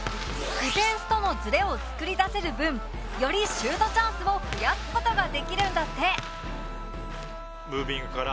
ディフェンスとのズレを作り出せる分よりシュートチャンスを増やす事ができるんだって！